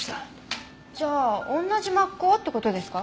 じゃあ同じ抹香って事ですか？